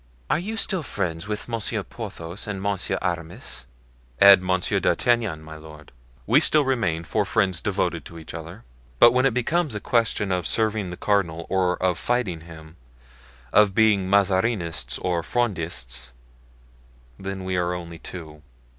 Are you still friends with Monsieur Porthos and Monsieur Aramis?" "Add Monsieur d'Artagnan, my lord. We still remain four friends devoted to each other; but when it becomes a question of serving the cardinal or of fighting him, of being Mazarinists or Frondists, then we are only two."